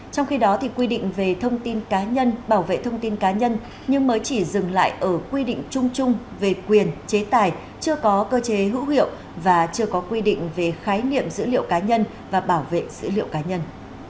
trong khi đó quy định về thông tin cá nhân bảo vệ thông tin cá nhân nhưng mới chỉ dừng lại ở quy định chung chung về quyền chế tài chưa có cơ chế hữu hiệu và chưa có quy định về khái niệm dữ liệu cá nhân và bảo vệ dữ liệu cá nhân